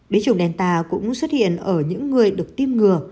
biến chủng delta cũng xuất hiện ở những người được tiêm ngừa